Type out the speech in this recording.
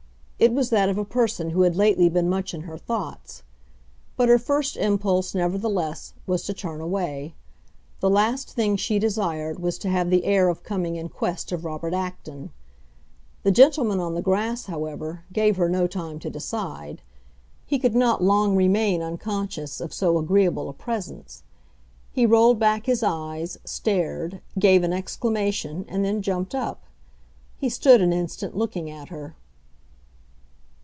It was that of a person who had lately been much in her thoughts; but her first impulse, nevertheless, was to turn away; the last thing she desired was to have the air of coming in quest of Robert Acton. The gentleman on the grass, however, gave her no time to decide; he could not long remain unconscious of so agreeable a presence. He rolled back his eyes, stared, gave an exclamation, and then jumped up. He stood an instant, looking at her.